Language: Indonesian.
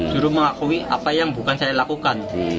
juru mengakui apa yang bukan saya lakukan